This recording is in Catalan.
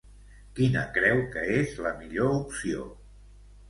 Quina creu que és la millor opció?